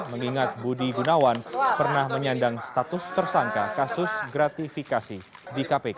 mengingat budi gunawan pernah menyandang status tersangka kasus gratifikasi di kpk